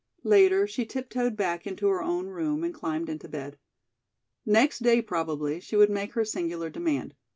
Later she tiptoed back into her own room and climbed into bed. Next day probably she would make her singular demand.